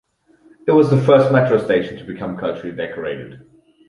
It was the first metro station to become culturally decorated.